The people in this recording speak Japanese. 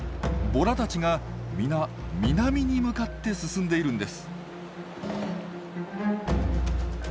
ボラたちがみな南に向かって進んでいるんです。